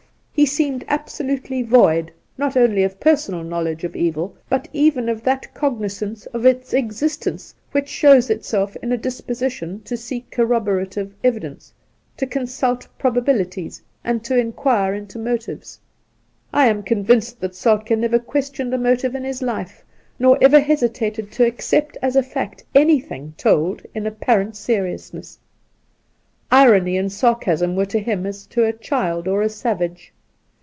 He seemed absolutely void, not only of personal knowledge of evil, but even of that cogni zance of its existence which shows itself in a dispo sition to seek corroborative evidence, to consult probabilities, and to inquire into motives. I am convinced that Soltk^ never questioned a motive in his life, nor ever hesitated to accept as a fact any thing told in apparent seriousness. Irony and sarcasm were to him as to a child or a savage.